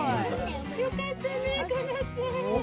よかったね、かなちゃん。